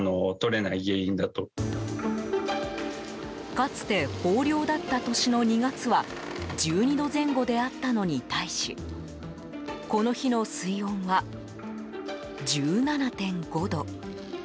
かつて豊漁だった年の２月は１２度前後であったのに対しこの日の水温は、１７．５度。